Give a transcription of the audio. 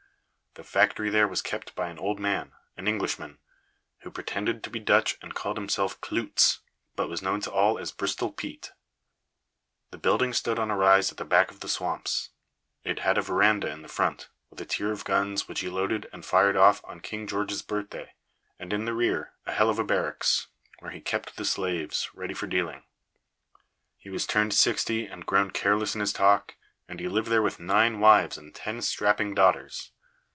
The factory there was kept by an old man, an Englishman, who pretended to be Dutch and called himself Klootz, but was known to all as Bristol Pete. The building stood on a rise at the back of the swamps. It had a verandah in front, with a tier of guns which he loaded and fired off on King George's birthday, and in the rear a hell of a barracks, where he kept the slaves, ready for dealing. He was turned sixty and grown careless in his talk, and he lived there with nine wives and ten strapping daughters.